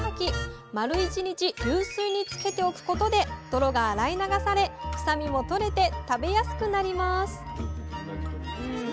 丸１日流水につけておくことで泥が洗い流され臭みも取れて食べやすくなります